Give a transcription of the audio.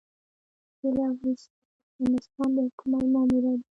هيله ويسا د افغانستان د حکومت ماموره ده.